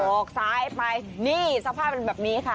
ออกซ้ายไปนี่สภาพเป็นแบบนี้ค่ะ